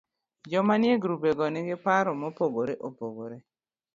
Joma nie grubego nigi paro mopogore opogre